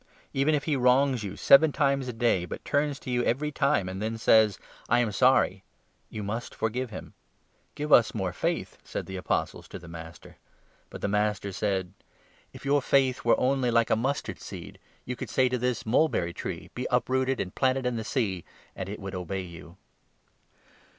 Even if he wrongs you 4 wrong doers, seven times a day, but turns to you every time and says ' I am sorry,' you must forgive him." The Power " Give us more faith," said the Apostles to the 5 or Faith. Master ; but the Master said : 6 " If your faith were only like a mustard seed, you could say to this mulberry tree ' Be up rooted and planted in the sea,' and it would obey you.